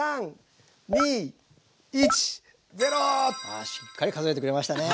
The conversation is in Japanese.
あしっかり数えてくれましたね。